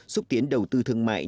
xúc tiến đầu tư thương mại